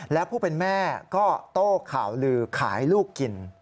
และผู้เป็นแม่ก็โต้ข่าวลือขายลูกกิน